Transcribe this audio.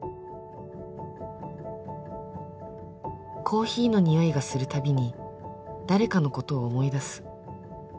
「コーヒーの匂いがするたびに誰かのことを思い出す」